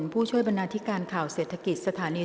ผู้ช่วยบรรณาธิการข่าวเศรษฐกิจสถานี